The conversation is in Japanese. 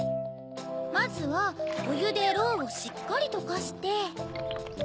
まずはおゆでろうをしっかりとかして。